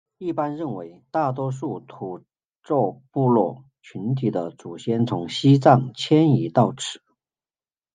一般认为大多数土着部落群体的祖先从西藏迁移到此。